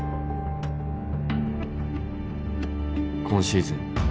今シーズン